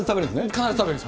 必ず食べる。